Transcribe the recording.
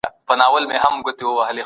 څېړونکي به ټول معلومات راټول کړي وي.